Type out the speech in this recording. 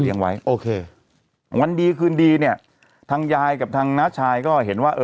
ไว้โอเควันดีคืนดีเนี่ยทางยายกับทางน้าชายก็เห็นว่าเออ